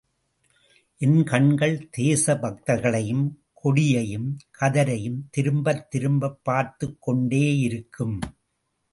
என் கண்கள் தேசபக்தர்களையும், கொடியையும் கதரையும் திரும்பத் திரும்பப் பார்த்துக் கொண்டேயிருக்கும்.